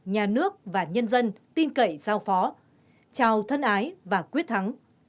nhà nước và nhân dân tin cậy giao phó chào thân ái và quyết thắng